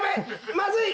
まずい！